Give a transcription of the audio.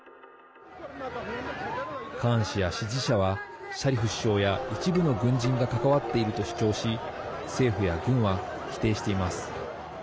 カーン氏や支持者はシャリフ首相や一部の軍人が関わっていると主張し政府や軍は否定しています。